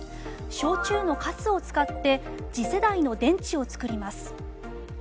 焼酎のかすを使って次世代の電池を作ります。